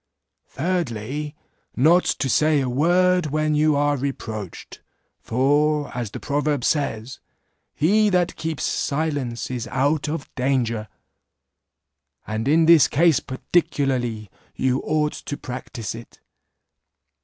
"Thirdly, Not to say a word when you are reproached; for, as the proverb says, 'He that keeps silence is out of danger.' And in this case particularly you ought to practice it.